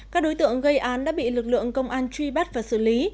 các đối tượng gây án đã bị lực lượng công an truy bắt và xử lý